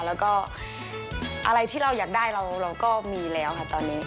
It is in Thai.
แล้วก็อะไรที่เราอยากได้เราก็มีแล้วค่ะตอนนี้